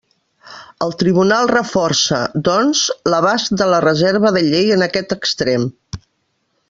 El Tribunal reforça, doncs, l'abast de la reserva de llei en aquest extrem.